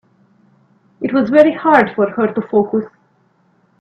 It was very hard for her to focus.